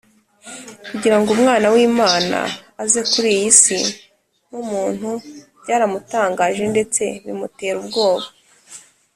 . Kugira ngo Umwana w’Imana aze kuri iyi isi nk’umuntu, byaramutangaje ndetse bimutera ubwoba